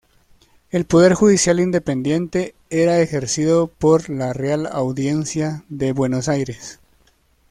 El Poder Judicial, independiente, era ejercido por la Real Audiencia de Buenos Aires.